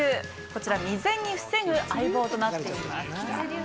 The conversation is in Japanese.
こちら未然に防ぐ相棒となっています。